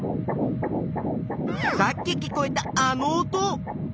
さっき聞こえたあの音。